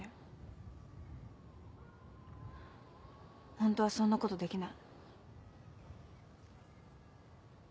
ホントはそんなことできない。